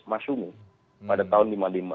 mas sumi pada tahun seribu sembilan ratus lima puluh lima